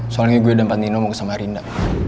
soalnya gue dan pandino mau ke samarinda